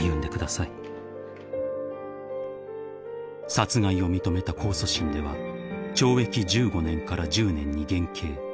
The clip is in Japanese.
［殺害を認めた控訴審では懲役１５年から１０年に減刑］